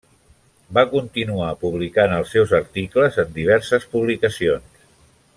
Va continuar publicant els seus articles en diverses publicacions.